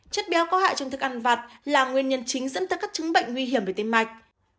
chất béo có hại trong thức ăn vặt là nguyên nhân chính dẫn tới các chứng bệnh nguy hiểm về tim mạch